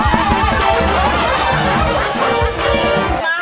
สัมภาพ